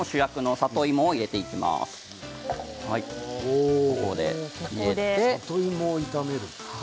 里芋を炒める。